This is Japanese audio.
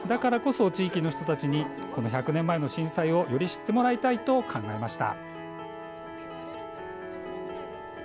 だからこそ地域の人たちに震災をより知ってもらいたいと考えました。